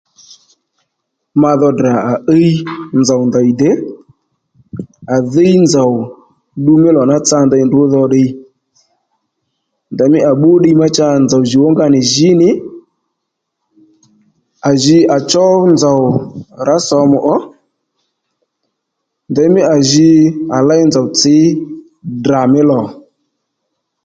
Ma dho tdrà à íy nzòw ndèy dè à dhíy nzòw ddu mí lò ná tsa ndey ndrǔ dho ddiy ndèymí à bbú ddiy má cha nzòw jùw ónga nì jǐ nì à ji à chó nzòw à rǎ sòmù ò ndèymí à ji à léy nzòw tsǐ Ddrà mí lò